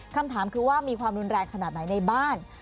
คำถามคือว่ามีความรุนแรงขนาดไหนในบ้าน